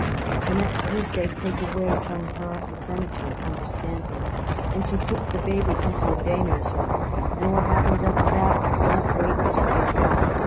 The next week they take away from her the furniture, understand me, and she puts the baby into a day nursery, and what happens after that I didn't wait to see at all.